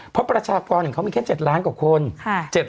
เพราะประชากรของเขามีแค่๗ล้านกว่าคน